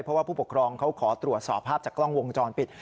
เพราะว่าผู้ปกครองเขาขอตรวจสอบภาพจากกล้องวงจรปิด